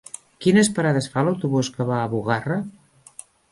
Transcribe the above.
Quines parades fa l'autobús que va a Bugarra?